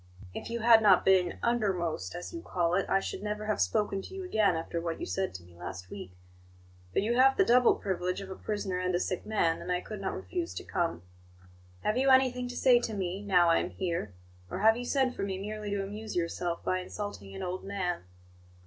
If you had not been 'undermost,' as you call it, I should never have spoken to you again after what you said to me last week; but you have the double privilege of a prisoner and a sick man, and I could not refuse to come. Have you anything to say to me, now I am here; or have you sent for me merely to amuse yourself by insulting an old man?"